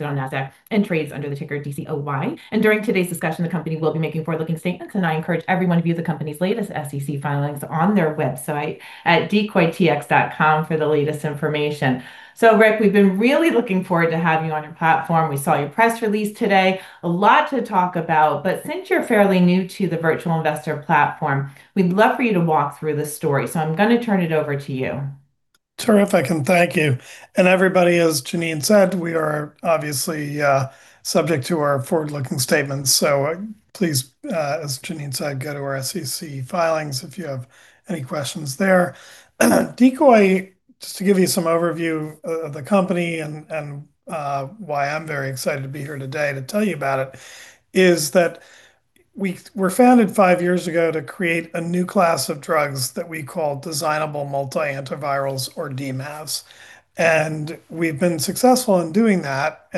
On Nasdaq and trades under the ticker DCOY. During today's discussion, the company will be making forward-looking statements, and I encourage everyone to view the company's latest SEC filings on their website at decoytx.com for the latest information. Rick, we've been really looking forward to having you on our platform. We saw your press release today. A lot to talk about, but since you're fairly new to the Virtual Investor platform, we'd love for you to walk through the story. I'm going to turn it over to you. Terrific, thank you. Everybody, as Janine said, we are obviously subject to our forward-looking statements, so please, as Janine said, go to our SEC filings if you have any questions there. Just to give you some overview of the company and why I'm very excited to be here today to tell you about it, is that we were founded five years ago to create a new class of drugs that we call designable multi-antivirals, or DMAVs. We've been successful in doing that.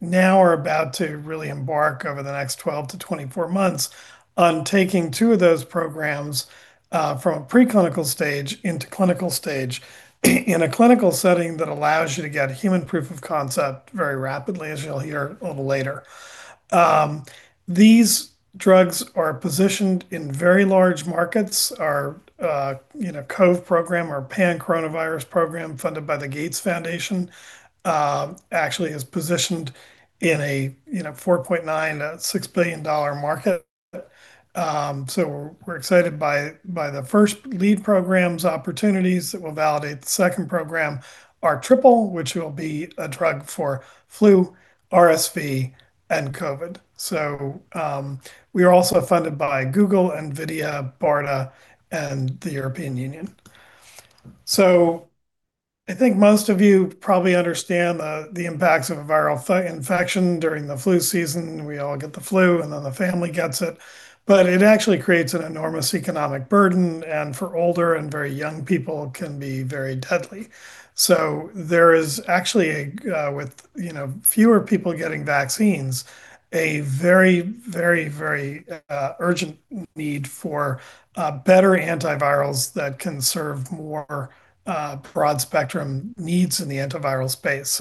Now we're about to really embark, over the next 12-24 months, on taking two of those programs from a preclinical stage into clinical stage in a clinical setting that allows you to get human proof of concept very rapidly, as you'll hear a little later. These drugs are positioned in very large markets. Our COV program, our pan-coronavirus program funded by the Gates Foundation, actually is positioned in a $4.96 billion market. We're excited by the first lead program's opportunities that will validate the second program, R triple, which will be a drug for flu, RSV, and COVID. We are also funded by Google, NVIDIA, BARDA, and the European Union. I think most of you probably understand the impacts of a viral infection during the flu season. We all get the flu, and then the family gets it. It actually creates an enormous economic burden, and for older and very young people, can be very deadly. There is actually, with fewer people getting vaccines, a very urgent need for better antivirals that can serve more broad-spectrum needs in the antiviral space.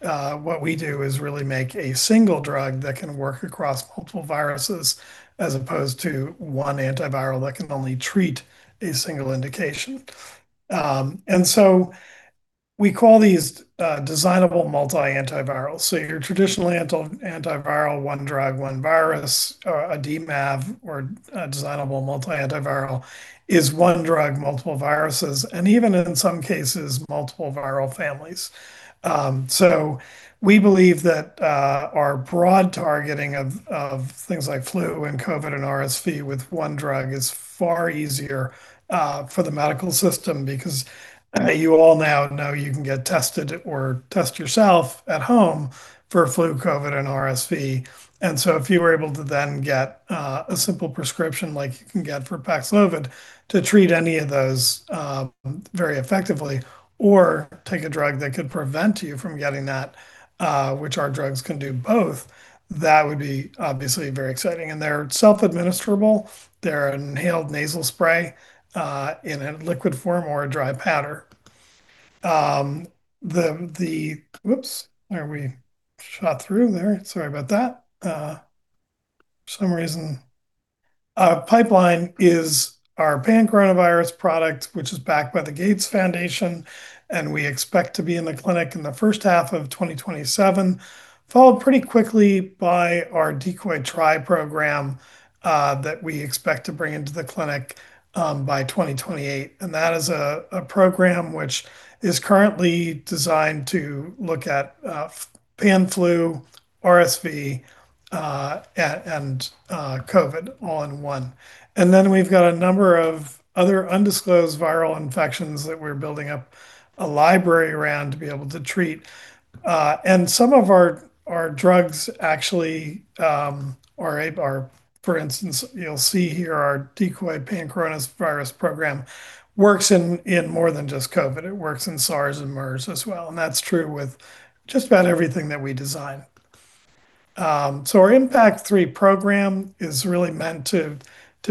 What we do is really make a single drug that can work across multiple viruses as opposed to one antiviral that can only treat a single indication. We call these Designable Multi-Antivirals. Your traditional antiviral, one drug, one virus, or a DMAV, or a Designable Multi-Antiviral is one drug, multiple viruses, and even in some cases, multiple viral families. We believe that our broad targeting of things like flu and COVID and RSV with one drug is far easier for the medical system because you all now know you can get tested or test yourself at home for flu, COVID, and RSV. If you were able to then get a simple prescription like you can get for Paxlovid to treat any of those very effectively, or take a drug that could prevent you from getting that, which our drugs can do both, that would be obviously very exciting. They're self-administrable. They're an inhaled nasal spray in a liquid form or a dry powder. Whoops. We shot through there. Sorry about that. For some reason. Our pipeline is our pan-coronavirus product, which is backed by the Gates Foundation, and we expect to be in the clinic in the first half of 2027, followed pretty quickly by our DCOY-TRI program that we expect to bring into the clinic by 2028. That is a program which is currently designed to look at pan flu, RSV, and COVID all in one. Then we've got a number of other undisclosed viral infections that we're building up a library around to be able to treat. Some of our drugs actually are, for instance, you'll see here our Decoy pan-coronavirus program works in more than just COVID. It works in SARS and MERS as well, and that's true with just about everything that we design. Our IMP3ACT program is really meant to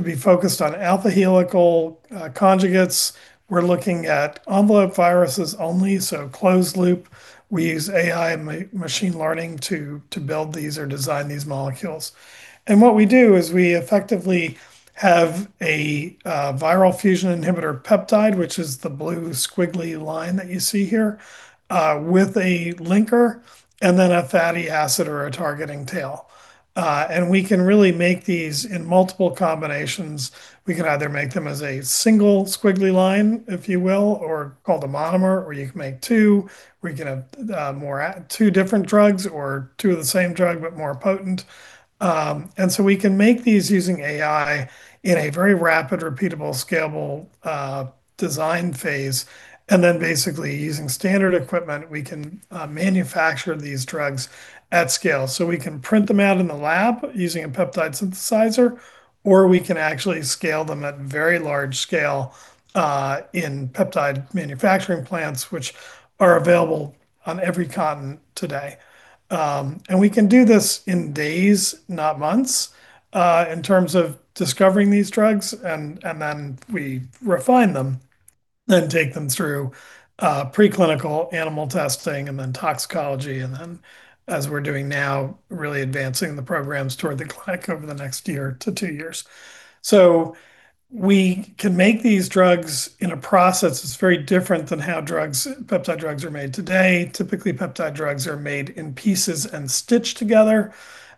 be focused on alpha-helical conjugates. We're looking at envelope viruses only, so closed loop. We use AI and machine learning to build these or design these molecules. What we do is we effectively have a viral fusion inhibitor peptide, which is the blue squiggly line that you see here, with a linker and then a fatty acid or a targeting tail. We can really make these in multiple combinations. We can either make them as a single squiggly line, if you will, or called a monomer, or you can make two. We can have two different drugs or two of the same drug, but more potent. We can make these using AI in a very rapid, repeatable, scalable design phase. Basically using standard equipment, we can manufacture these drugs at scale. We can print them out in the lab using a peptide synthesizer, or we can actually scale them at very large scale in peptide manufacturing plants, which are available on every continent today. We can do this in days, not months, in terms of discovering these drugs, and then we refine them, then take them through preclinical animal testing and then toxicology, and then as we're doing now, really advancing the programs toward the clinic over the next year to two years. We can make these drugs in a process that's very different than how peptide drugs are made today. Typically, peptide drugs are made in pieces and stitched together,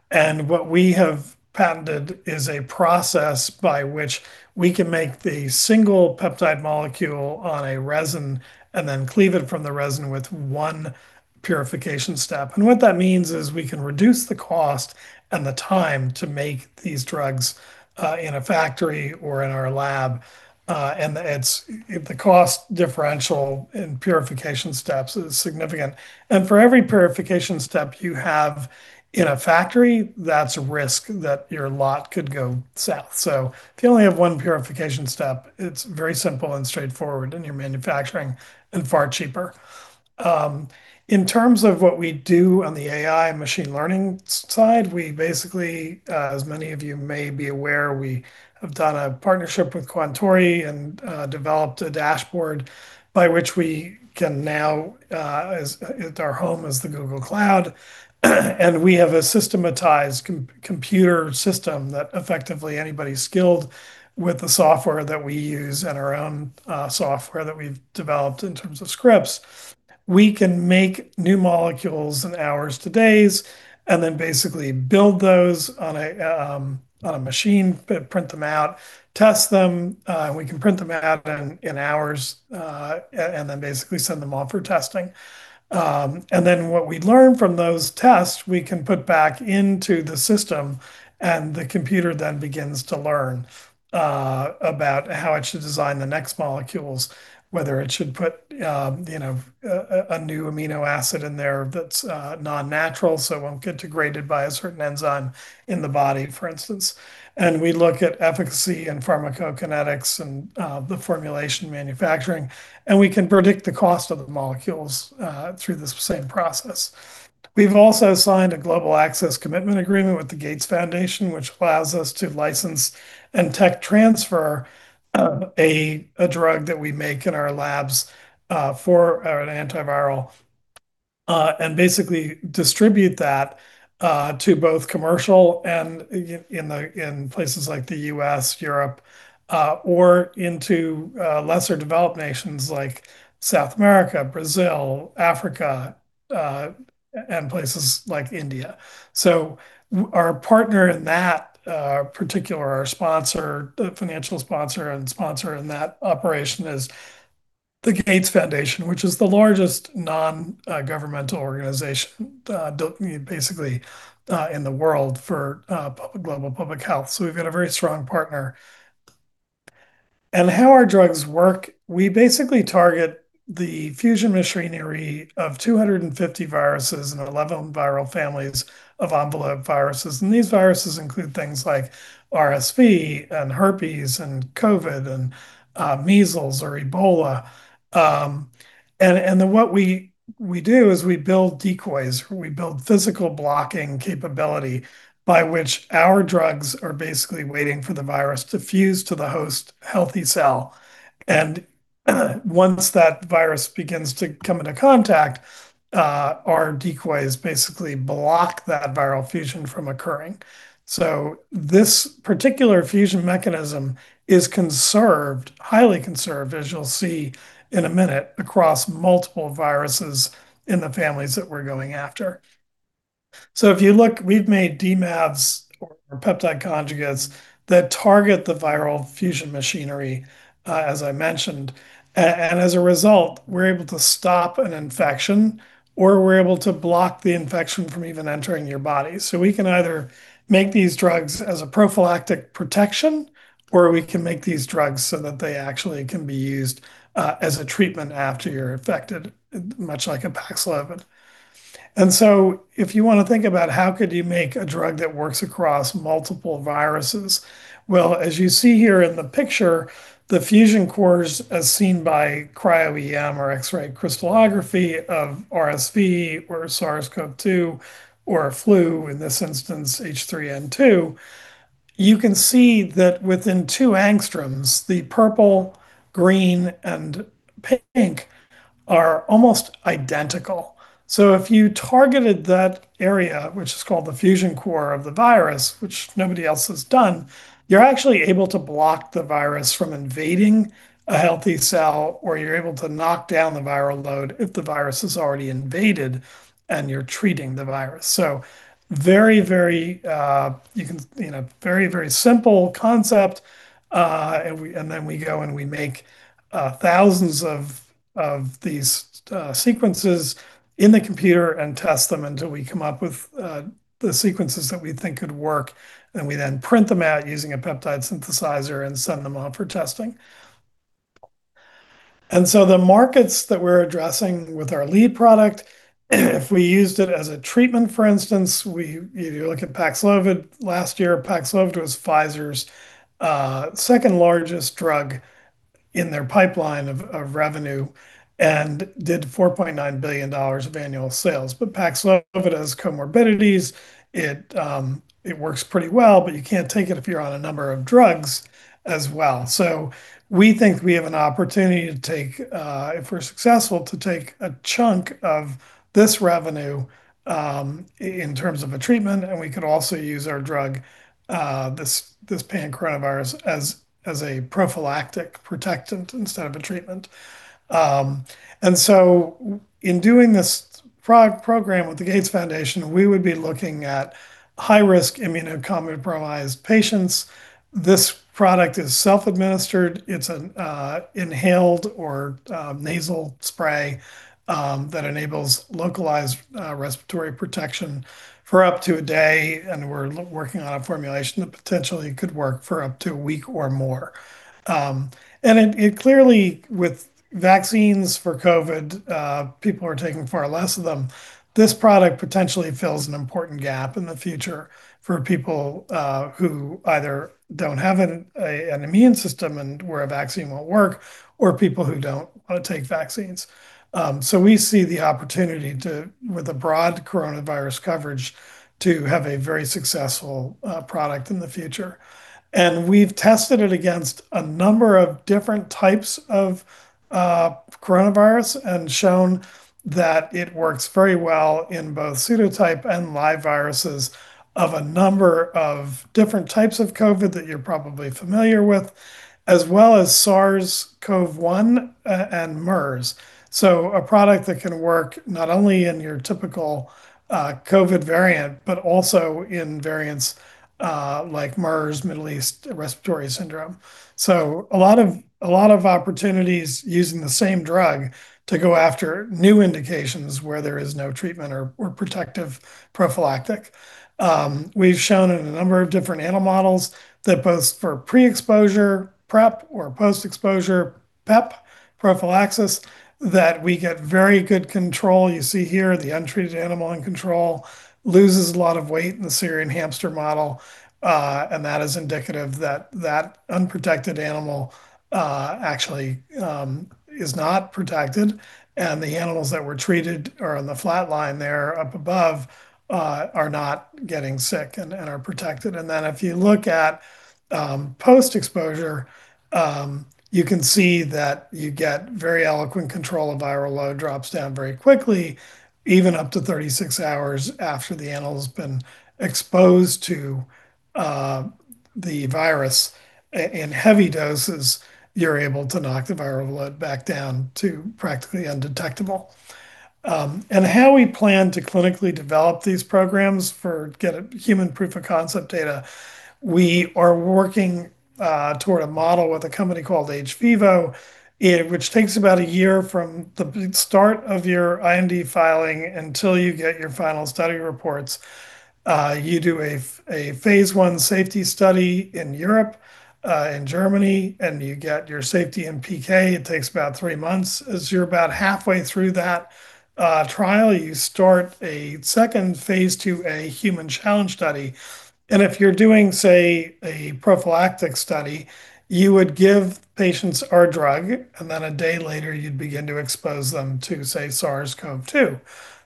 and what we have patented is a process by which we can make the single peptide molecule on a resin and then cleave it from the resin with one purification step. What that means is we can reduce the cost and the time to make these drugs in a factory or in our lab. The cost differential in purification steps is significant. For every purification step you have in a factory, that's a risk that your lot could go south. If you only have one purification step, it's very simple and straightforward in your manufacturing and far cheaper. In terms of what we do on the AI machine learning side, we basically, as many of you may be aware, we have done a partnership with Quantori and developed a dashboard by which we can now, our home is the Google Cloud, and we have a systematized computer system that effectively anybody skilled with the software that we use and our own software that we've developed in terms of scripts, we can make new molecules in hours to days and then basically build those on a machine, print them out, test them. We can print them out in hours, and then basically send them off for testing. What we learn from those tests, we can put back into the system, and the computer then begins to learn about how it should design the next molecules, whether it should put a new amino acid in there that's non-natural, so it won't get degraded by a certain enzyme in the body, for instance. We look at efficacy and pharmacokinetics and the formulation manufacturing, and we can predict the cost of the molecules through this same process. We've also signed a Global Access Commitment Agreement with the Gates Foundation, which allows us to license and tech transfer a drug that we make in our labs for an antiviral, and basically distribute that to both commercial and in places like the U.S., Europe, or into lesser developed nations like South America, Brazil, Africa, and places like India. Our partner in that particular, our financial sponsor, and sponsor in that operation is the Gates Foundation, which is the largest non-governmental organization, basically, in the world for global public health. We've got a very strong partner. How our drugs work, we basically target the fusion machinery of 250 viruses and 11 viral families of envelope viruses. These viruses include things like RSV and herpes and COVID and measles or Ebola. Then what we do is we build decoys. We build physical blocking capability by which our drugs are basically waiting for the virus to fuse to the host healthy cell. Once that virus begins to come into contact, our decoys basically block that viral fusion from occurring. This particular fusion mechanism is conserved, highly conserved, as you'll see in a minute, across multiple viruses in the families that we're going after. If you look, we've made DMAVs or peptide conjugates that target the viral fusion machinery, as I mentioned. As a result, we're able to stop an infection, or we're able to block the infection from even entering your body. We can either make these drugs as a prophylactic protection, or we can make these drugs so that they actually can be used as a treatment after you're infected, much like a Paxlovid. If you want to think about how could you make a drug that works across multiple viruses, well, as you see here in the picture, the fusion cores as seen by cryo-EM or X-ray crystallography of RSV or SARS-CoV-2 or flu, in this instance, H3N2, you can see that within two angstroms, the purple, green, and pink are almost identical. If you targeted that area, which is called the fusion core of the virus, which nobody else has done, you're actually able to block the virus from invading a healthy cell, or you're able to knock down the viral load if the virus has already invaded and you're treating the virus. Very simple concept, and then we go and we make thousands of these sequences in the computer and test them until we come up with the sequences that we think could work, and we then print them out using a peptide synthesizer and send them out for testing. The markets that we're addressing with our lead product, if we used it as a treatment, for instance, if you look at Paxlovid last year, Paxlovid was Pfizer's second-largest drug in their pipeline of revenue and did $4.9 billion of annual sales. Paxlovid has comorbidities. It works pretty well, but you can't take it if you're on a number of drugs as well. We think we have an opportunity, if we're successful, to take a chunk of this revenue in terms of a treatment, and we could also use our drug, this pan-coronavirus, as a prophylactic protectant instead of a treatment. In doing this program with the Gates Foundation, we would be looking at high-risk immunocompromised patients. This product is self-administered. It's an inhaled or nasal spray that enables localized respiratory protection for up to a day, and we're working on a formulation that potentially could work for up to a week or more. Clearly with vaccines for COVID, people are taking far less of them. This product potentially fills an important gap in the future for people who either don't have an immune system and where a vaccine won't work or people who don't want to take vaccines. We see the opportunity, with the broad coronavirus coverage, to have a very successful product in the future. We've tested it against a number of different types of coronavirus and shown that it works very well in both pseudotyped and live viruses of a number of different types of COVID that you're probably familiar with, as well as SARS-CoV-1 and MERS. A product that can work not only in your typical COVID variant, but also in variants like MERS, Middle East Respiratory Syndrome. A lot of opportunities using the same drug to go after new indications where there is no treatment or protective prophylactic. We've shown in a number of different animal models that both for pre-exposure, PrEP, or post-exposure, PEP, prophylaxis, that we get very good control. You see here the untreated animal in control loses a lot of weight in the Syrian hamster model. That is indicative that that unprotected animal actually is not protected, and the animals that were treated are on the flat line there up above, are not getting sick and are protected. If you look at post-exposure, you can see that you get very excellent control of viral load, drops down very quickly, even up to 36 hours after the animal has been exposed to the virus in heavy doses. You're able to knock the viral load back down to practically undetectable. How we plan to clinically develop these programs to get human proof of concept data, we are working toward a model with a company called hVIVO, which takes about a year from the start of your IND filing until you get your final study reports. You do a phase I safety study in Europe, in Germany, and you get your safety in PK. It takes about three months. As you're about halfway through that trial, you start a second phase II, a human challenge study. If you're doing, say, a prophylactic study, you would give patients our drug, and then a day later you'd begin to expose them to, say, SARS-CoV-2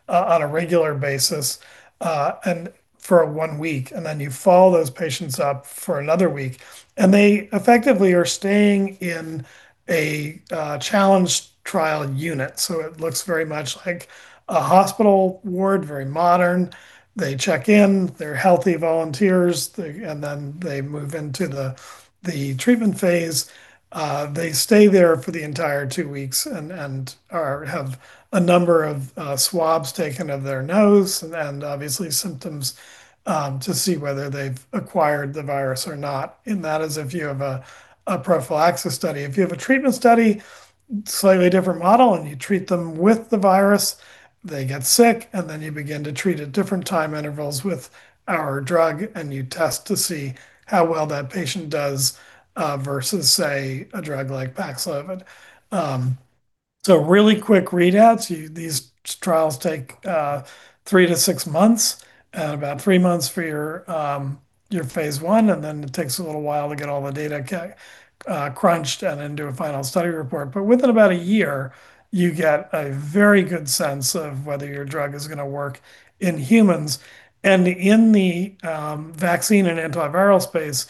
on a regular basis and for one week. Then you follow those patients up for another week. They effectively are staying in a challenge trial unit, so it looks very much like a hospital ward, very modern. They check in, they're healthy volunteers, and then they move into the treatment phase. They stay there for the entire two weeks and have a number of swabs taken of their nose and obviously symptoms, to see whether they've acquired the virus or not, and that is if you have a prophylaxis study. If you have a treatment study, slightly different model, and you treat them with the virus, they get sick, and then you begin to treat at different time intervals with our drug, and you test to see how well that patient does, versus, say, a drug like Paxlovid. Really quick readouts. These trials take three to six months and about three months for your phase I, and then it takes a little while to get all the data crunched and into a final study report. Within about a year, you get a very good sense of whether your drug is going to work in humans. In the vaccine and antiviral space,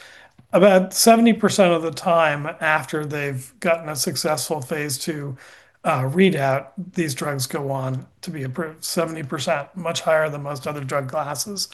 about 70% of the time after they've gotten a successful phase II readout, these drugs go on to be approved. 70%, much higher than most other drug classes.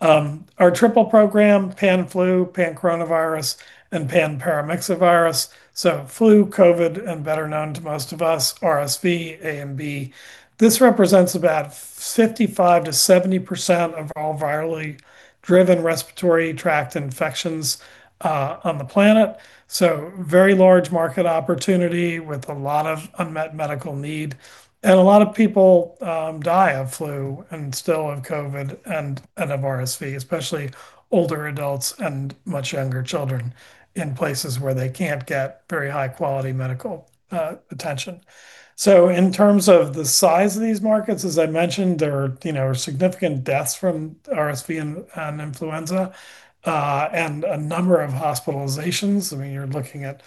Our triple program, pan-flu, pan-coronavirus, and pan-paramyxovirus, so flu, COVID, and better known to most of us, RSV A and B. This represents about 55%-70% of all virally driven respiratory tract infections on the planet. Very large market opportunity with a lot of unmet medical need. A lot of people die of flu and still of COVID and of RSV, especially older adults and much younger children in places where they can't get very high-quality medical attention. In terms of the size of these markets, as I mentioned, there are significant deaths from RSV and influenza, and a number of hospitalizations. You're looking at,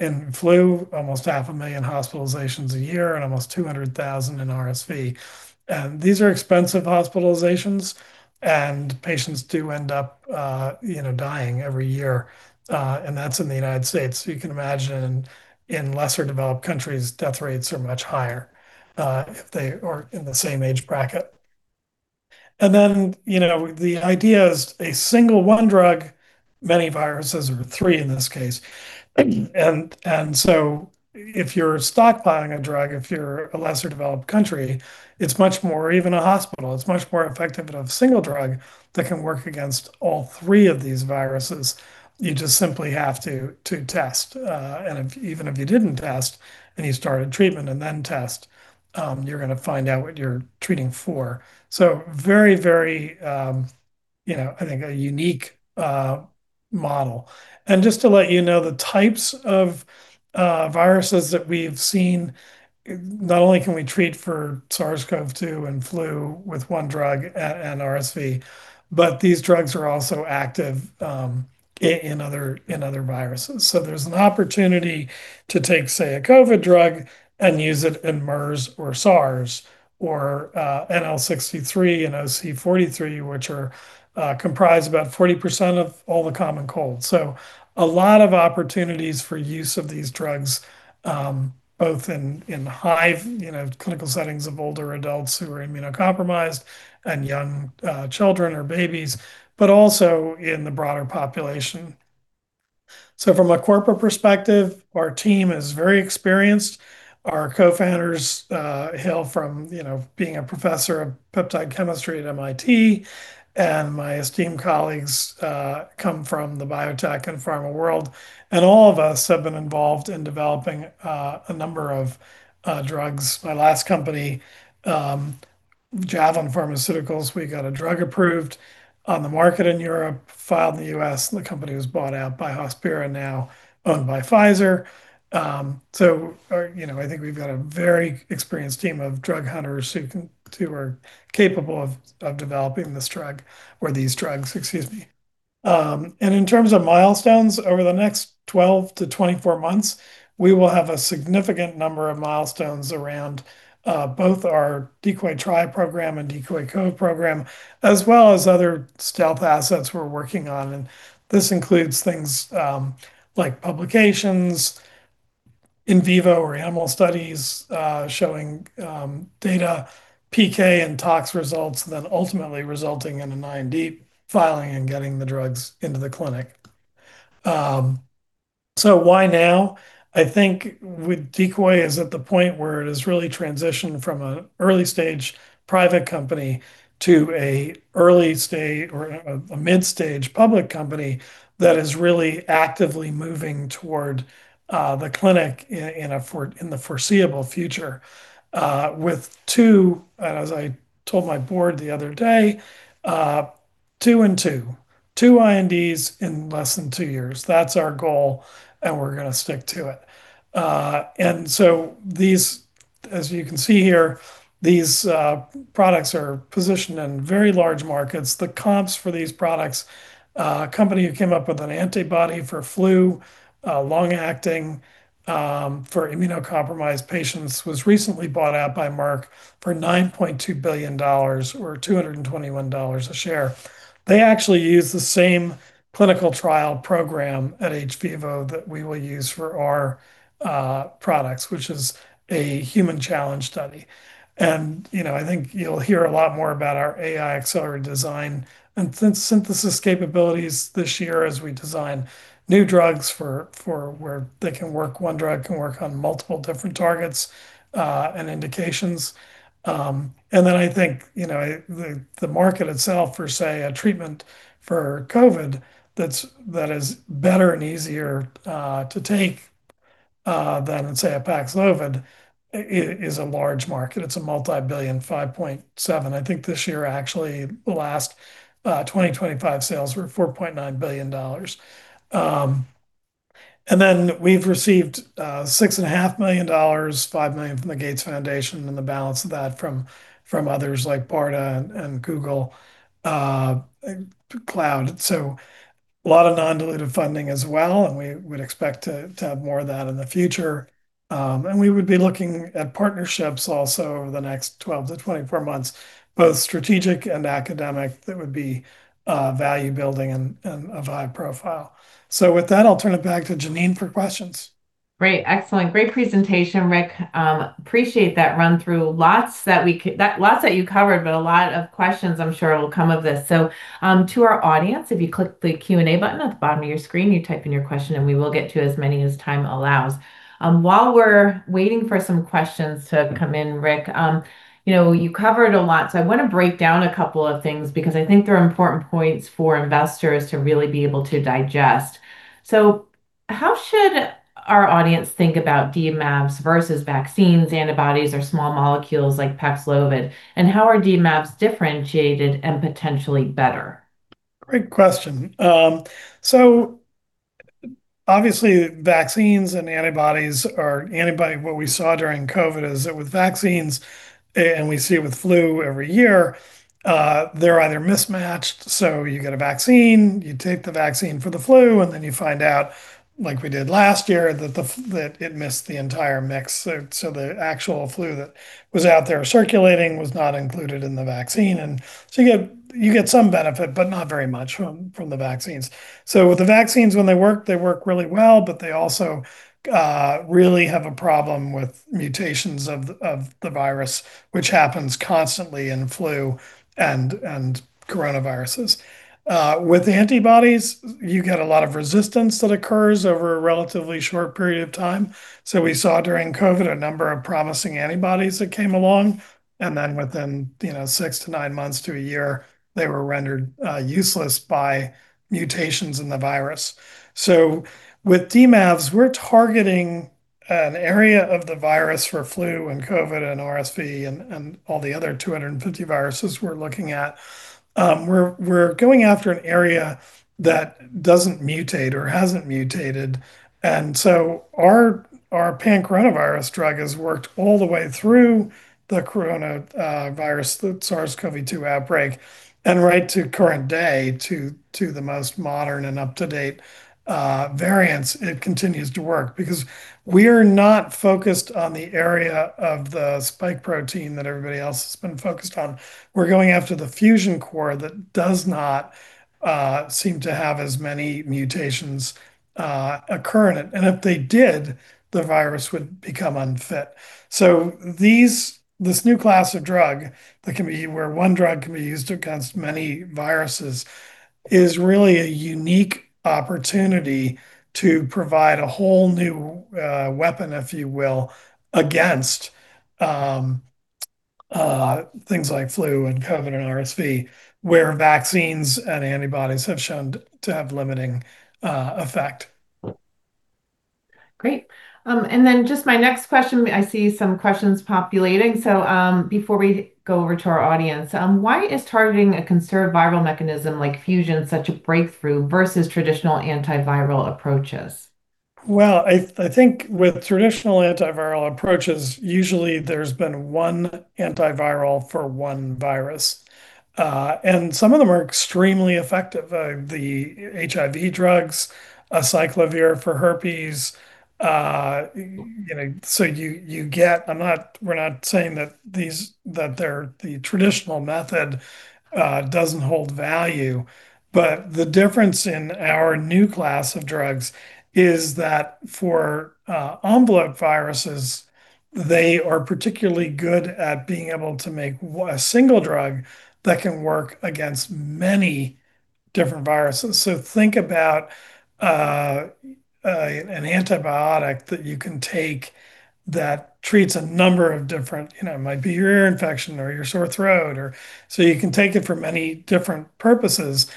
in flu, almost 500,000 hospitalizations a year and almost 200,000 in RSV. These are expensive hospitalizations, and patients do end up dying every year. That's in the United States. You can imagine in lesser developed countries, death rates are much higher, if they are in the same age bracket. Then, the idea is a single one drug, many viruses, or three in this case. If you're stockpiling a drug, if you're a less developed country, or even a hospital, it's much more effective to have a single drug that can work against all three of these viruses. You just simply have to test. Even if you didn't test and you started treatment and then test, you're going to find out what you're treating for, very, I think, a unique model. Just to let you know, the types of viruses that we've seen, not only can we treat for SARS-CoV-2 and flu with one drug, and RSV, but these drugs are also active in other viruses. There's an opportunity to take, say, a COVID drug and use it in MERS or SARS, or NL63 and OC43, which comprise about 40% of all the common colds. A lot of opportunities for use of these drugs, both in high clinical settings of older adults who are immunocompromised and young children or babies, but also in the broader population. From a corporate perspective, our team is very experienced. Our co-founders hail from being a professor of peptide chemistry at MIT, and my esteemed colleagues come from the biotech and pharma world. All of us have been involved in developing a number of drugs. My last company, Javelin Pharmaceuticals, we got a drug approved on the market in Europe, filed in the U.S., and the company was bought out by Hospira, now owned by Pfizer. I think we've got a very experienced team of drug hunters who are capable of developing this drug or these drugs, excuse me. In terms of milestones, over the next 12-24 months, we will have a significant number of milestones around both our DCOY-TRI program and DCOY-COV program, as well as other stealth assets we're working on. This includes things like publications, in vivo or animal studies showing data, PK and tox results, then ultimately resulting in an IND filing and getting the drugs into the clinic. Why now? I think Decoy is at the point where it has really transitioned from an early-stage private company to an early stage or a mid-stage public company that is really actively moving toward the clinic in the foreseeable future. With two, and as I told my board the other day, two and two. Two INDs in less than two years. That's our goal, and we're going to stick to it. These, as you can see here, these products are positioned in very large markets. The comps for these products, a company who came up with an antibody for flu, long-acting for immunocompromised patients, was recently bought out by Merck for $9.2 billion or $221 a share. They actually use the same clinical trial program at hVIVO that we will use for our products, which is a human challenge study. I think you'll hear a lot more about our AI-accelerated design and synthesis capabilities this year as we design new drugs where one drug can work on multiple different targets and indications. I think the market itself for, say, a treatment for COVID that is better and easier to take than, let's say, a Paxlovid, is a large market. It's a multi-billion, $5.7. I think this year, actually, last 2025 sales were $4.9 billion. We've received $6.5 million, $5 million from the Gates Foundation and the balance of that from others like BARDA and Google Cloud. A lot of non-dilutive funding as well, and we would expect to have more of that in the future. We would be looking at partnerships also over the next 12-24 months, both strategic and academic, that would be value-building and of high profile. With that, I'll turn it back to Janine for questions. Great. Excellent. Great presentation, Rick. Appreciate that run-through. Lots that you covered, but a lot of questions I'm sure will come of this. To our audience, if you click the Q&A button at the bottom of your screen, you type in your question, and we will get to as many as time allows. While we're waiting for some questions to come in, Rick, you covered a lot. I want to break down a couple of things because I think they're important points for investors to really be able to digest. How should our audience think about DMAVs versus vaccines, antibodies, or small molecules like Paxlovid, and how are DMAVs differentiated and potentially better? Great question. Obviously, vaccines and antibodies, or antibody, what we saw during COVID is that with vaccines, and we see it with flu every year, they're either mismatched. You get a vaccine, you take the vaccine for the flu, and then you find out, like we did last year, that it missed the entire mix. The actual flu that was out there circulating was not included in the vaccine. You get some benefit, but not very much from the vaccines. With the vaccines, when they work, they work really well, but they also really have a problem with mutations of the virus, which happens constantly in flu and coronaviruses. With antibodies, you get a lot of resistance that occurs over a relatively short period of time. We saw during COVID a number of promising antibodies that came along, and then within six to nine months to a year, they were rendered useless by mutations in the virus. With DMAVs, we're targeting an area of the virus for flu and COVID and RSV and all the other 250 viruses we're looking at. We're going after an area that doesn't mutate or hasn't mutated. Our pan-coronavirus drug has worked all the way through the coronavirus, the SARS-CoV-2 outbreak, and right to current day to the most modern and up-to-date variants. It continues to work because we're not focused on the area of the spike protein that everybody else has been focused on. We're going after the fusion core that does not seem to have as many mutations occur in it. If they did, the virus would become unfit. This new class of drug, where one drug can be used against many viruses, is really a unique opportunity to provide a whole new weapon, if you will, against things like flu and COVID and RSV, where vaccines and antibodies have shown to have limiting effect. Great. Just my next question, I see some questions populating. Before we go over to our audience, why is targeting a conserved viral mechanism like fusion such a breakthrough versus traditional antiviral approaches? Well, I think with traditional antiviral approaches, usually there's been one antiviral for one virus. Some of them are extremely effective. The HIV drugs, acyclovir for herpes. We're not saying that the traditional method doesn't hold value. The difference in our new class of drugs is that for envelope viruses, they are particularly good at being able to make a single drug that can work against many different viruses. Think about an antibiotic that you can take that treats a number of different, it might be your ear infection or your sore throat. You can take it for many different purposes.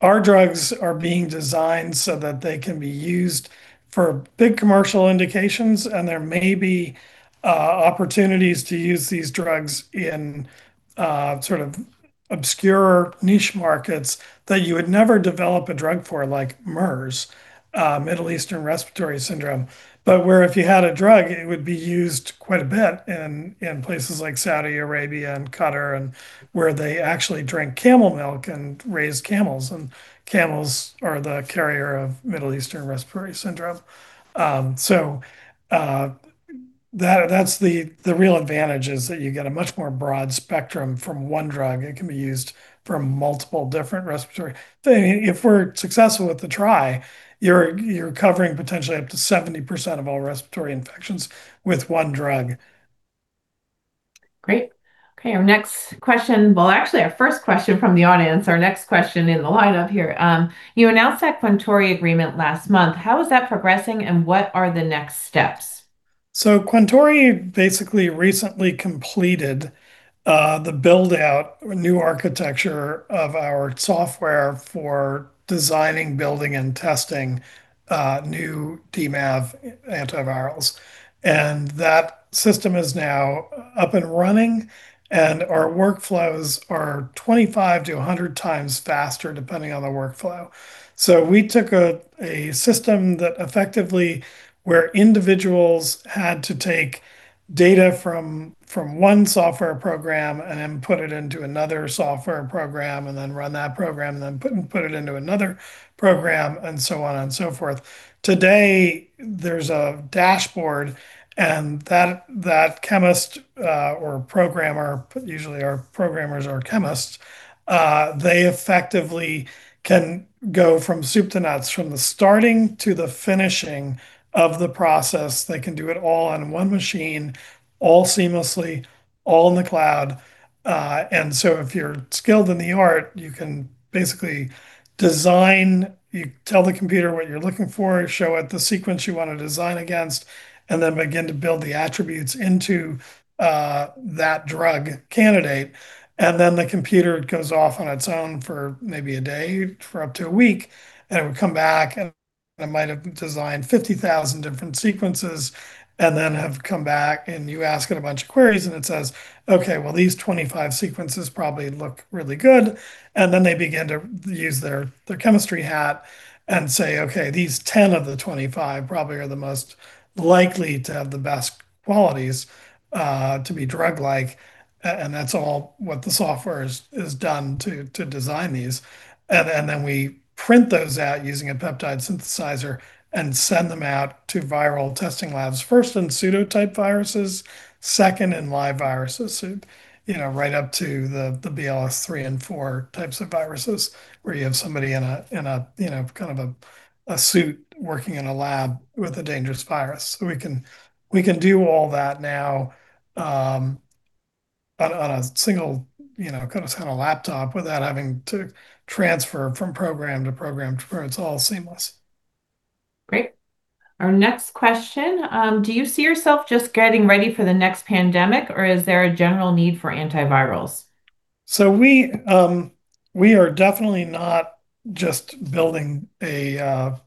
Our drugs are being designed so that they can be used for big commercial indications, and there may be opportunities to use these drugs in obscure niche markets that you would never develop a drug for, like MERS, Middle Eastern Respiratory Syndrome. Where if you had a drug, it would be used quite a bit in places like Saudi Arabia and Qatar, where they actually drink camel milk and raise camels. Camels are the carrier of Middle East Respiratory Syndrome. That's the real advantage is that you get a much more broad spectrum from one drug. It can be used for multiple different respiratory things. If we're successful with the TRI, you're covering potentially up to 70% of all respiratory infections with one drug. Great. Okay, our next question. Well, actually, our first question from the audience, our next question in the lineup here. You announced that Quantori agreement last month. How is that progressing, and what are the next steps? Quantori basically recently completed the build-out, new architecture of our software for designing, building, and testing new DMAVs antivirals. That system is now up and running, and our workflows are 25-100 times faster, depending on the workflow. We took a system that effectively where individuals had to take data from one software program and then put it into another software program and then run that program, and then put it into another program and so on and so forth. Today, there's a dashboard, and that chemist or programmer, usually our programmers are chemists, they effectively can go from soup to nuts, from the starting to the finishing of the process. They can do it all on one machine, all seamlessly, all in the cloud. If you're skilled in the art, you can basically design. You tell the computer what you're looking for, show it the sequence you want to design against, and then begin to build the attributes into that drug candidate. The computer goes off on its own for maybe a day, for up to a week, and it would come back and I might have designed 50,000 different sequences and then have come back and you ask it a bunch of queries, and it says, "Okay, well, these 25 sequences probably look really good." They begin to use their chemistry hat and say, "Okay, these 10 of the 25 probably are the most likely to have the best qualities to be drug-like." That's all what the software has done to design these. We print those out using a peptide synthesizer and send them out to viral testing labs, first in pseudotyped viruses, second in live viruses. Right up to the BSL-3 and BSL-4 types of viruses, where you have somebody in a kind of a suit working in a lab with a dangerous virus. We can do all that now on a single kind of laptop without having to transfer from program to program. It's all seamless. Great. Our next question, do you see yourself just getting ready for the next pandemic, or is there a general need for antivirals? We are definitely not just building a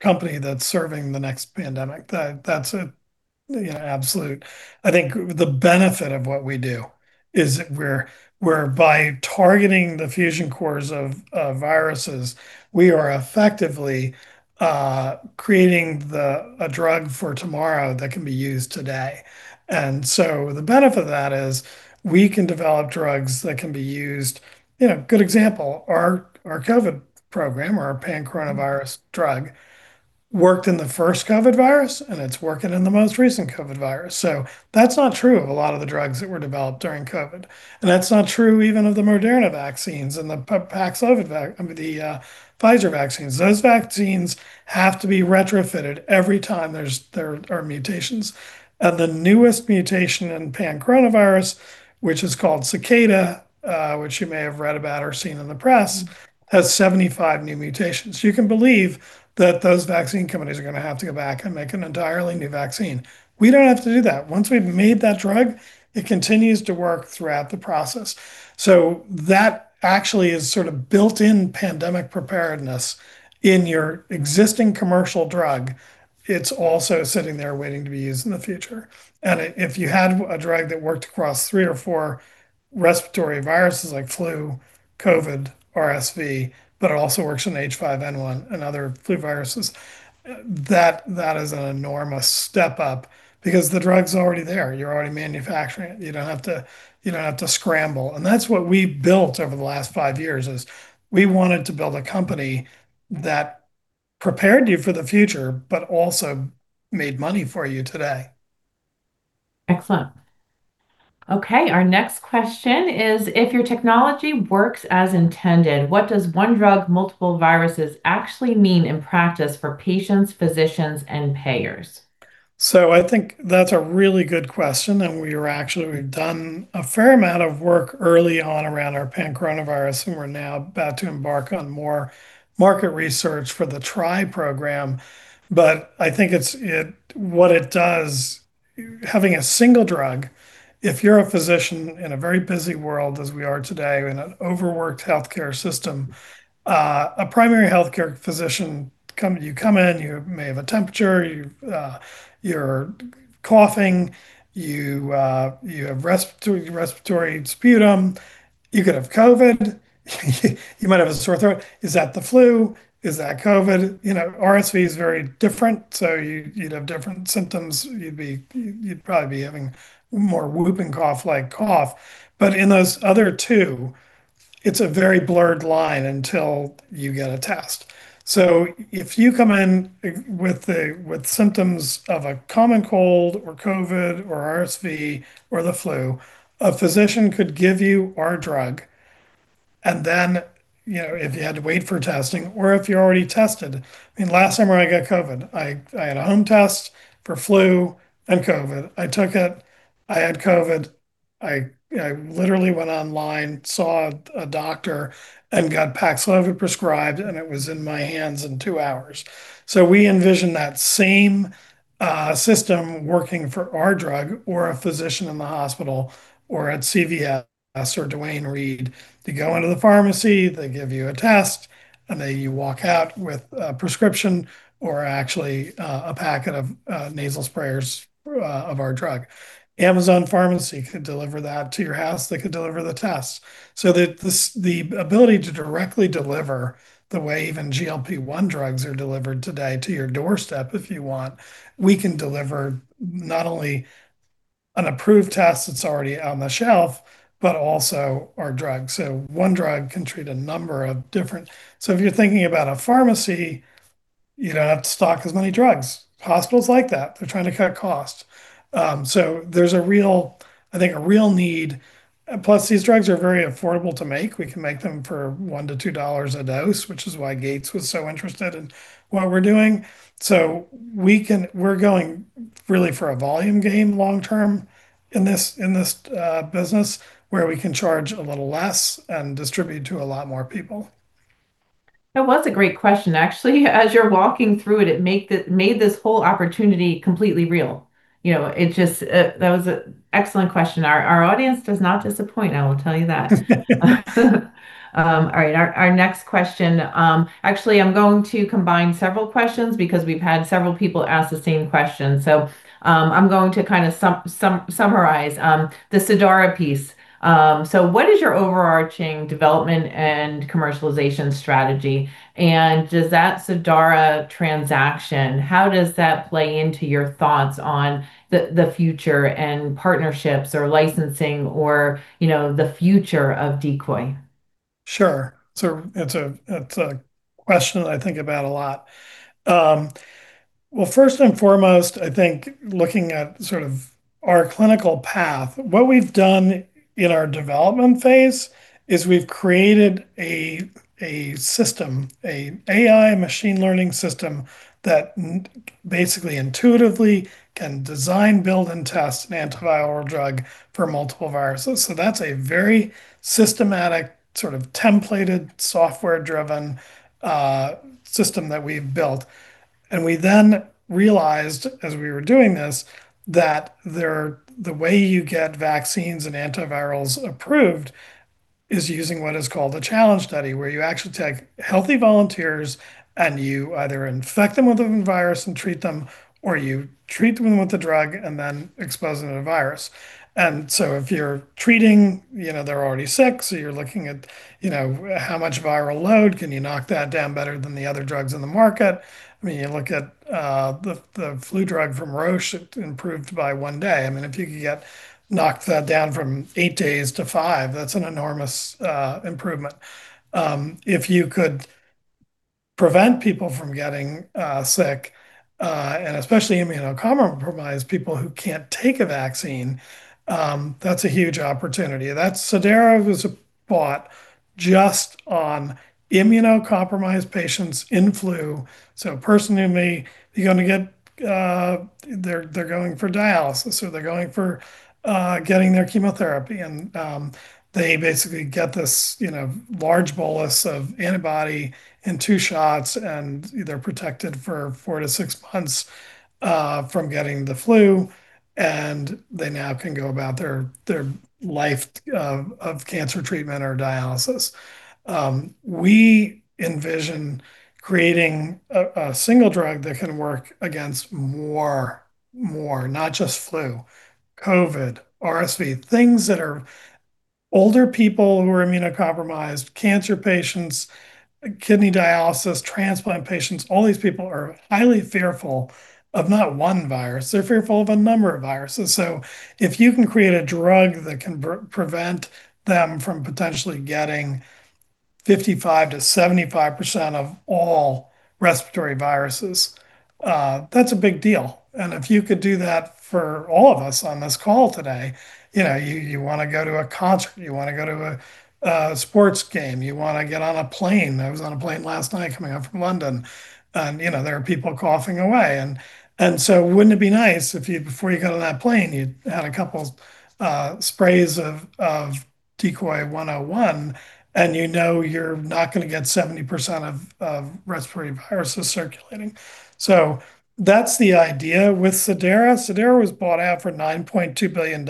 company that's serving the next pandemic. That's an absolute. I think the benefit of what we do is that by targeting the fusion cores of viruses, we are effectively creating a drug for tomorrow that can be used today. The benefit of that is we can develop drugs that can be used. Good example, our COVID program or our pan-coronavirus drug worked in the first COVID virus, and it's working in the most recent COVID virus. That's not true of a lot of the drugs that were developed during COVID. That's not true even of the Moderna vaccines and the Pfizer vaccines. Those vaccines have to be retrofitted every time there are mutations. The newest mutation in pan-coronavirus, which is called Cicada, which you may have read about or seen in the press, has 75 new mutations. You can believe that those vaccine companies are going to have to go back and make an entirely new vaccine. We don't have to do that. Once we've made that drug, it continues to work throughout the process. That actually is sort of built-in pandemic preparedness in your existing commercial drug. It's also sitting there waiting to be used in the future. If you had a drug that worked across three or four respiratory viruses like flu, COVID, RSV, but it also works in H5N1 and other flu viruses, that is an enormous step up because the drug's already there. You're already manufacturing it. You don't have to scramble. That's what we built over the last five years, is we wanted to build a company that prepared you for the future, but also made money for you today. Excellent. Okay, our next question is if your technology works as intended, what does one drug, multiple viruses actually mean in practice for patients, physicians, and payers? I think that's a really good question, and we've done a fair amount of work early on around our pan-coronavirus, and we're now about to embark on more market research for the TRI program. I think what it does, having a single drug, if you're a physician in a very busy world as we are today, in an overworked healthcare system, a primary healthcare physician, you come in, you may have a temperature, you're coughing, you have respiratory sputum. You could have COVID. You might have a sore throat. Is that the flu? Is that COVID? RSV is very different, so you'd have different symptoms. You'd probably be having more whooping cough-like cough. In those other two, it's a very blurred line until you get a test. If you come in with symptoms of a common cold or COVID or RSV or the flu, a physician could give you our drug, and then if you had to wait for testing or if you're already tested. I mean, last summer I got COVID. I had a home test for flu and COVID. I took it. I had COVID. I literally went online, saw a doctor, and got Paxlovid prescribed, and it was in my hands in two hours. We envision that same system working for our drug or a physician in the hospital or at CVS or Duane Reade. They go into the pharmacy, they give you a test, and then you walk out with a prescription, or actually a packet of nasal sprayers of our drug. Amazon Pharmacy could deliver that to your house. They could deliver the test. The ability to directly deliver the way even GLP-1 drugs are delivered today to your doorstep if you want. We can deliver not only an approved test that's already on the shelf, but also our drug. If you're thinking about a pharmacy, you don't have to stock as many drugs. Hospitals like that. They're trying to cut costs. There's, I think, a real need. Plus, these drugs are very affordable to make. We can make them for $1-$2 a dose, which is why Gates was so interested in what we're doing. We're going really for a volume game long term in this business where we can charge a little less and distribute to a lot more people. That was a great question, actually. As you're walking through it made this whole opportunity completely real. That was an excellent question. Our audience does not disappoint, I will tell you that. All right, our next question. Actually, I'm going to combine several questions because we've had several people ask the same question. I'm going to kind of summarize the Cidara piece. What is your overarching development and commercialization strategy? And does that Cidara transaction, how does that play into your thoughts on the future and partnerships or licensing or the future of Decoy? Sure. It's a question that I think about a lot. Well, first and foremost, I think looking at sort of our clinical path, what we've done in our development phase is we've created a system, an AI machine learning system that basically intuitively can design, build, and test an antiviral drug for multiple viruses. That's a very systematic sort of templated, software driven system that we've built. We then realized as we were doing this that the way you get vaccines and antivirals approved is using what is called a challenge study, where you actually take healthy volunteers and you either infect them with a virus and treat them, or you treat them with a drug and then expose them to the virus. If you're treating, they're already sick, so you're looking at how much viral load can you knock that down better than the other drugs on the market. You look at the flu drug from Roche. It improved by one day. If you could knock that down from eight days to five, that's an enormous improvement. If you could prevent people from getting sick, and especially immunocompromised people who can't take a vaccine, that's a huge opportunity. Cidara was bought just on immunocompromised patients in flu. A person who may be going for dialysis, or they're going for getting their chemotherapy, and they basically get this large bolus of antibody in two shots, and they're protected for four to six months from getting the flu, and they now can go about their life of cancer treatment or dialysis. We envision creating a single drug that can work against more, not just flu, COVID, RSV, things that are older people who are immunocompromised, cancer patients, kidney dialysis, transplant patients, all these people are highly fearful of not one virus. They're fearful of a number of viruses. If you can create a drug that can prevent them from potentially getting 55%-75% of all respiratory viruses, that's a big deal. If you could do that for all of us on this call today, you want to go to a concert, you want to go to a sports game, you want to get on a plane. I was on a plane last night coming up from London, and there are people coughing away. Wouldn't it be nice if before you got on that plane, you had a couple sprays of DCOY101, and you know you're not going to get 70% of respiratory viruses circulating. That's the idea with Cidara. Cidara was bought out for $9.2 billion.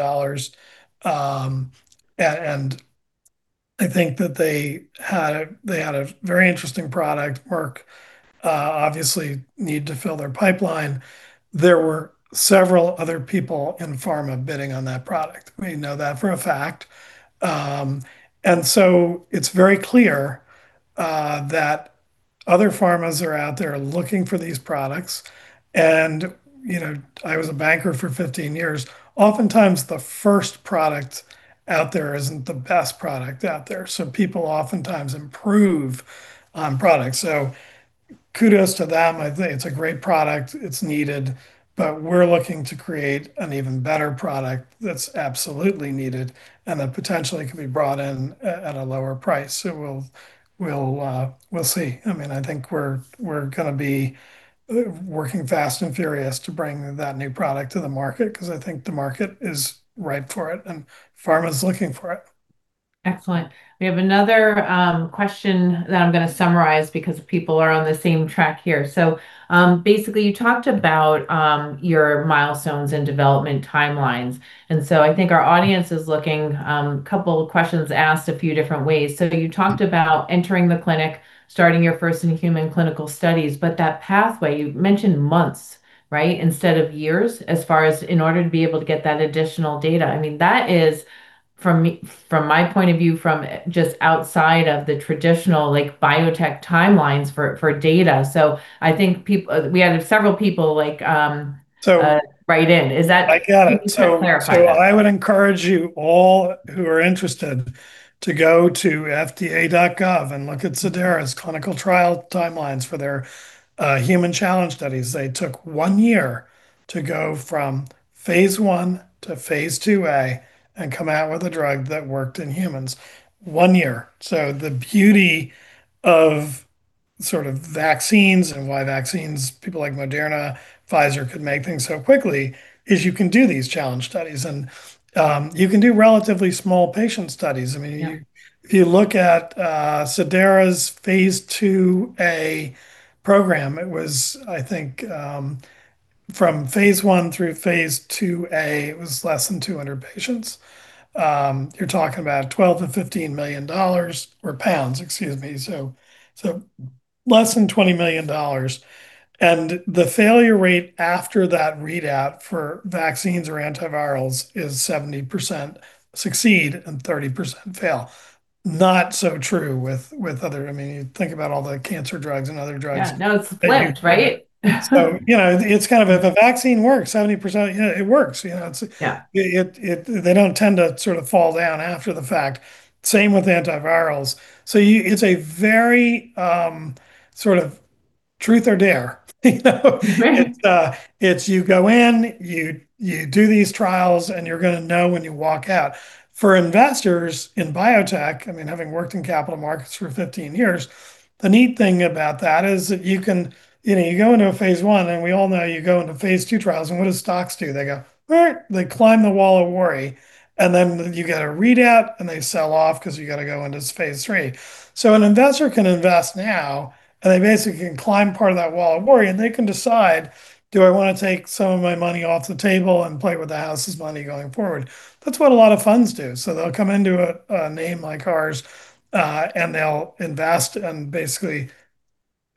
I think that they had a very interesting product. Merck obviously needed to fill their pipeline. There were several other people in pharma bidding on that product. We know that for a fact. It's very clear that other pharmas are out there looking for these products. I was a banker for 15 years. Oftentimes, the first product out there isn't the best product out there. People oftentimes improve on products. Kudos to them. I think it's a great product. It's needed. We're looking to create an even better product that's absolutely needed and that potentially can be brought in at a lower price. We'll see. I think we're going to be working fast and furious to bring that new product to the market because I think the market is ripe for it, and pharma's looking for it. Excellent. We have another question that I'm going to summarize because people are on the same track here. Basically you talked about your milestones and development timelines, and so I think our audience is looking, a couple questions asked a few different ways. You talked about entering the clinic, starting your first in-human clinical studies, but that pathway, you mentioned months, right, instead of years, as far as in order to be able to get that additional data. That is, from my point of view, from just outside of the traditional biotech timelines for data. I think we had several people write in. Is that? I got it. Can you sort of clarify that? I would encourage you all who are interested to go to fda.gov and look at Cidara's clinical trial timelines for their human challenge studies. They took one year to go from phase I to phase II-A and come out with a drug that worked in humans. One year. The beauty of sort of vaccines and why vaccines, people like Moderna, Pfizer, could make things so quickly is you can do these challenge studies, and you can do relatively small patient studies. Yeah. If you look at Cidara's phase II-A program, from phase I through phase II-A, it was less than 200 patients. You're talking about GBP 12 million-GBP 15 million, or pounds, excuse me. So less than GBP 20 million. The failure rate after that readout for vaccines or antivirals is 70% succeed and 30% fail. Not so true with other. You think about all the cancer drugs and other drugs. Yeah. No, it's flipped, right? If a vaccine works, 70%, it works. Yeah. They don't tend to sort of fall down after the fact. Same with antivirals. It's a very sort of truth or dare. Right. It's you go in, you do these trials, and you're going to know when you walk out. For investors in biotech, having worked in capital markets for 15 years, the neat thing about that is that you go into a phase I, and we all know you go into phase II trials, and what do stocks do? They go, they climb the wall of worry, and then you get a readout, and they sell off because you got to go into phase III. An investor can invest now, and they basically can climb part of that wall of worry, and they can decide, do I want to take some of my money off the table and play with the house's money going forward? That's what a lot of funds do. They'll come into a name like ours, and they'll invest, and basically,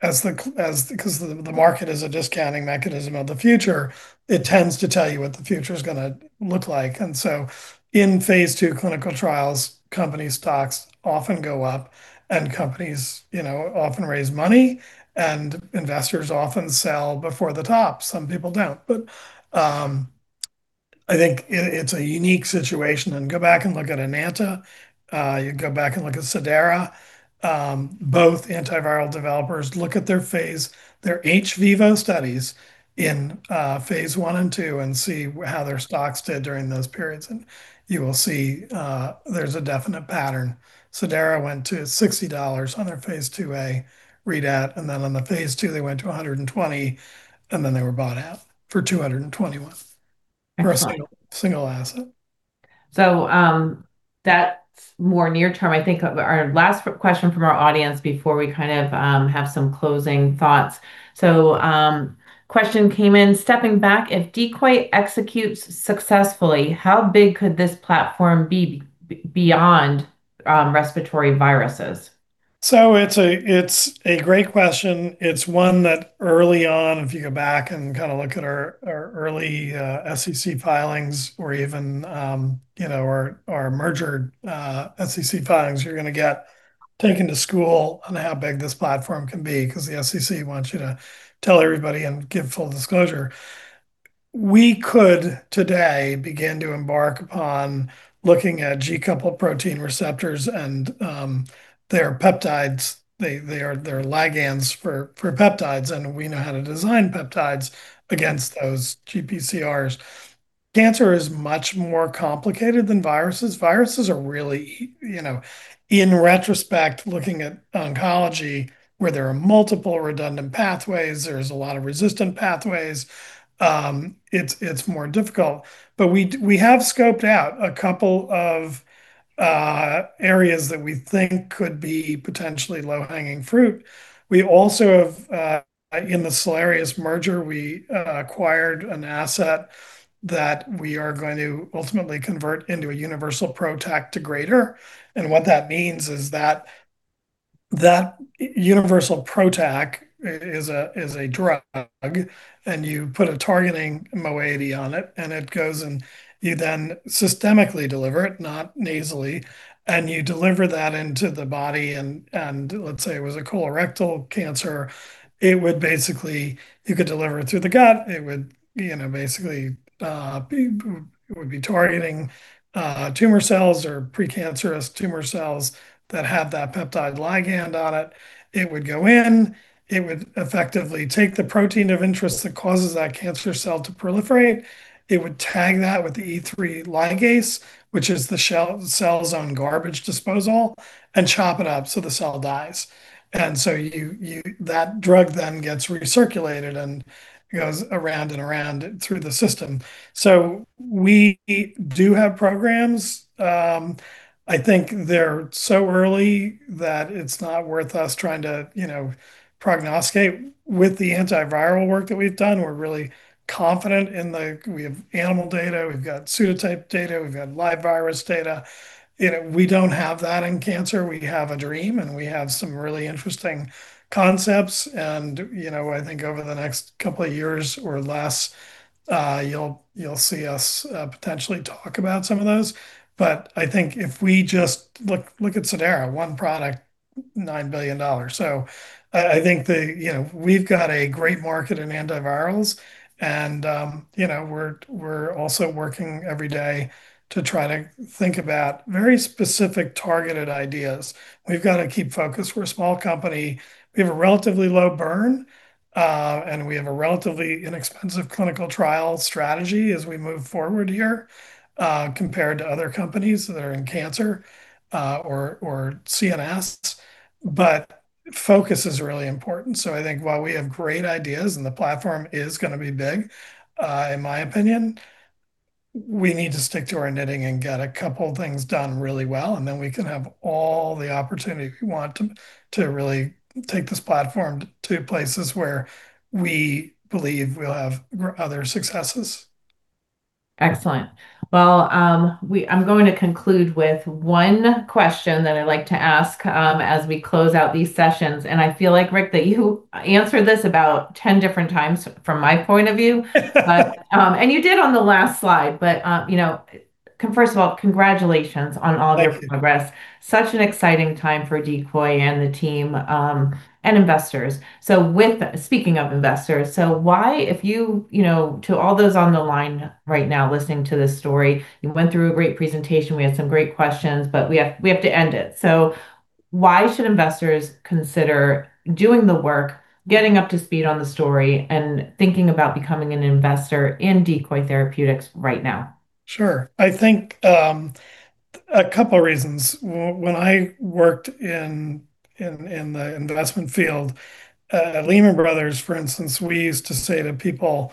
because the market is a discounting mechanism of the future, it tends to tell you what the future's going to look like. In phase II clinical trials, company stocks often go up, and companies often raise money, and investors often sell before the top. Some people don't. I think it's a unique situation. Go back and look at Enanta. You go back and look at Cidara, both antiviral developers. Look at their phase, their ex vivo studies in phase I and II and see how their stocks did during those periods, and you will see there's a definite pattern. Cidara went to $60 on their phase II-A readout, and then on the phase II, they went to $120, and then they were bought out for $221. Excellent. For a single asset. That's more near term. I think our last question from our audience before we have some closing thoughts. A question came in. Stepping back, if Decoy executes successfully, how big could this platform be beyond respiratory viruses? It's a great question. It's one that early on, if you go back and look at our early SEC filings or even our merger SEC filings, you're going to get taken to school on how big this platform can be because the SEC wants you to tell everybody and give full disclosure. We could, today, begin to embark upon looking at G coupled-protein receptors and their peptides. They're ligands for peptides, and we know how to design peptides against those GPCRs. Cancer is much more complicated than viruses. Viruses are really, in retrospect, looking at oncology, where there are multiple redundant pathways, there's a lot of resistant pathways, it's more difficult. We have scoped out a couple of areas that we think could be potentially low-hanging fruit. We also have, in the Salarius merger, we acquired an asset that we are going to ultimately convert into a universal PROTAC degrader. What that means is that that universal PROTAC is a drug, and you put a targeting moiety on it, and it goes, and you then systemically deliver it, not nasally. You deliver that into the body and, let's say it was a colorectal cancer, you could deliver it through the gut. It would basically be targeting tumor cells or precancerous tumor cells that have that peptide ligand on it. It would go in. It would effectively take the protein of interest that causes that cancer cell to proliferate. It would tag that with the E3 ligase, which is the cell's own garbage disposal, and chop it up, so the cell dies. That drug then gets recirculated and goes around and around through the system. We do have programs. I think they're so early that it's not worth us trying to prognosticate. With the antiviral work that we've done, we're really confident in the. We have animal data. We've got pseudotyped data. We've got live virus data. We don't have that in cancer. We have a dream, and we have some really interesting concepts. I think over the next couple of years or less, you'll see us potentially talk about some of those. I think if we just look at Cidara, one product, $9 billion. I think that we've got a great market in antivirals, and we're also working every day to try to think about very specific targeted ideas. We've got to keep focused. We're a small company. We have a relatively low burn, and we have a relatively inexpensive clinical trial strategy as we move forward here compared to other companies that are in cancer or CNS, but focus is really important. I think while we have great ideas and the platform is going to be big, in my opinion, we need to stick to our knitting and get a couple things done really well, and then we can have all the opportunity we want to really take this platform to places where we believe we'll have other successes. Excellent. Well, I'm going to conclude with one question that I like to ask as we close out these sessions. I feel like, Rick, that you answered this about 10 different times from my point of view. You did on the last slide. First of all, congratulations on all- Thank you. your progress. Such an exciting time for Decoy and the team, and investors. Speaking of investors, to all those on the line right now listening to this story, you went through a great presentation. We had some great questions, but we have to end it. Why should investors consider doing the work, getting up to speed on the story, and thinking about becoming an investor in Decoy Therapeutics right now? Sure. I think a couple reasons. When I worked in the investment field at Lehman Brothers, for instance, we used to say to people,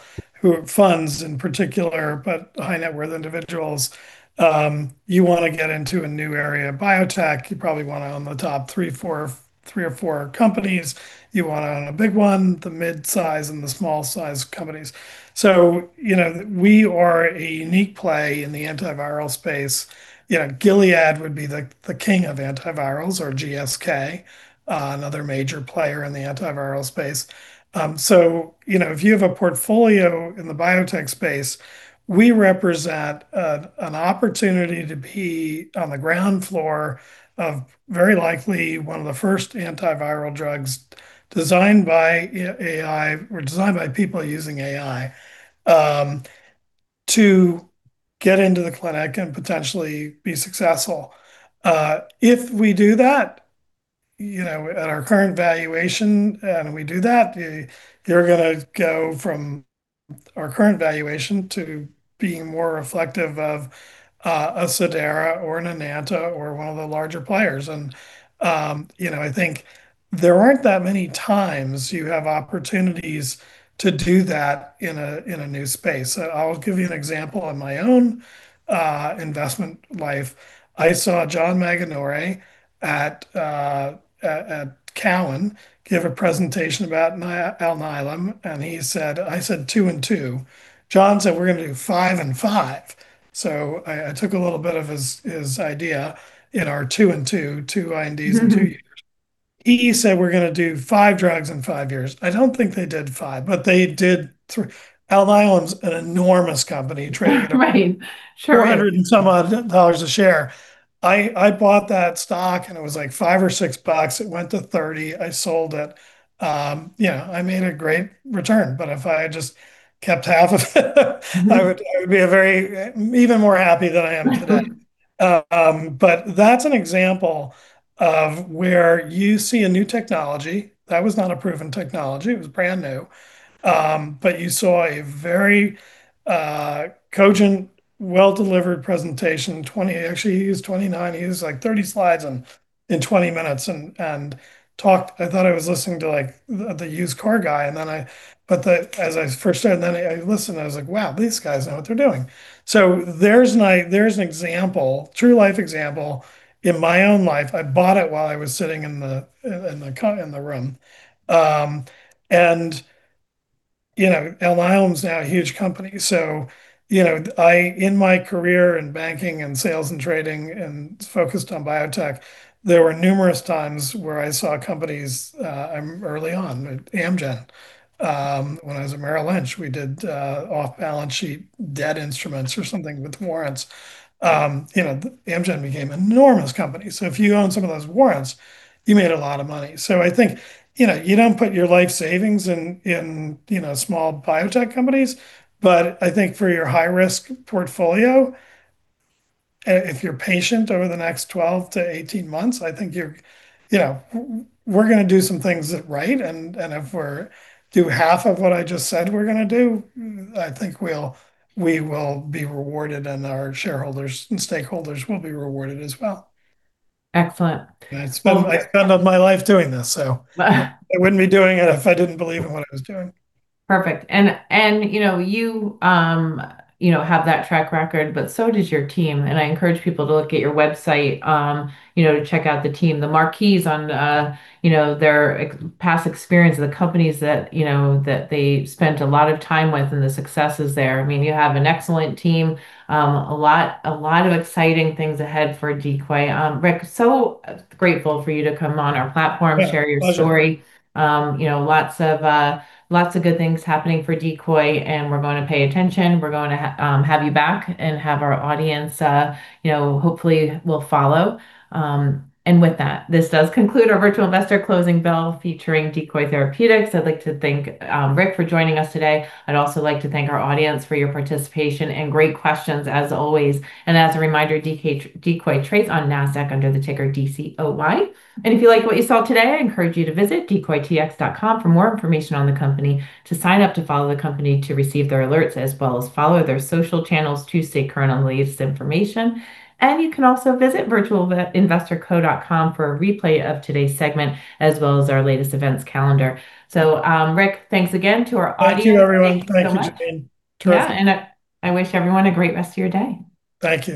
funds in particular, but high net worth individuals, you want to get into a new area of biotech. You probably want to own the top three or four companies. You want to own a big one, the mid-size, and the small-size companies. We are a unique play in the antiviral space. Gilead would be the king of antivirals, or GSK, another major player in the antiviral space. If you have a portfolio in the biotech space, we represent an opportunity to be on the ground floor of very likely one of the first antiviral drugs designed by AI or designed by people using AI, to get into the clinic and potentially be successful. If we do that at our current valuation, and we do that, they're going to go from our current valuation to being more reflective of a Cidara or an Enanta or one of the larger players. I think there aren't that many times you have opportunities to do that in a new space. I'll give you an example on my own investment life. I saw John Maraganore at Cowen give a presentation about Alnylam, and I said, "Two and two." John said, "We're going to do five and five." I took a little bit of his idea in our two and two INDs in two years. He said we're going to do five drugs in five years. I don't think they did five, but they did three. Alnylam's an enormous company trading. Right. Sure $400 and some odd dollars a share. I bought that stock, and it was, like, $5 or $6. It went to $30. I sold it. I made a great return, but if I just kept half of it I would be even more happy than I am today. That's an example of where you see a new technology. That was not a proven technology. It was brand new. You saw a very cogent, well-delivered presentation. Actually, he used 29. He used, like, 30 slides in 20 minutes and talked. I thought I was listening to the used car guy. As I first heard, and then I listened, I was like, "Wow, these guys know what they're doing." There's an example, true life example in my own life. I bought it while I was sitting in the room. Alnylam's now a huge company, so in my career in banking and sales and trading and focused on biotech, there were numerous times where I saw companies early on. At Amgen, when I was at Merrill Lynch, we did off-balance sheet debt instruments or something with warrants. Amgen became an enormous company, so if you owned some of those warrants, you made a lot of money. I think you don't put your life savings in small biotech companies, but I think for your high-risk portfolio, if you're patient over the next 12-18 months, I think we're going to do some things right, and if we do half of what I just said we're going to do, I think we will be rewarded, and our shareholders and stakeholders will be rewarded as well. Excellent. I spent my life doing this. I wouldn't be doing it if I didn't believe in what I was doing. Perfect. You have that track record, but so does your team, and I encourage people to look at your website to check out the team. The marquees on their past experience of the companies that they spent a lot of time with and the successes there. You have an excellent team. A lot of exciting things ahead for Decoy. Rick, so grateful for you to come on our platform. Yeah. Pleasure. Share your story. Lots of good things happening for Decoy, and we're going to pay attention. We're going to have you back and have our audience, hopefully will follow. With that, this does conclude our Virtual Investor Closing Bell featuring Decoy Therapeutics. I'd like to thank Rick for joining us today. I'd also like to thank our audience for your participation and great questions as always. As a reminder, Decoy trades on Nasdaq under the ticker D-C-O-Y. If you like what you saw today, I encourage you to visit decoytx.com for more information on the company, to sign up to follow the company, to receive their alerts, as well as follow their social channels to stay current on the latest information. You can also visit virtualinvestorco.com for a replay of today's segment as well as our latest events calendar. Rick, thanks again. To our audience. Thank you, everyone. Thank you Janine. Terrific. Thank you so much. Yeah, and I wish everyone a great rest of your day. Thank you.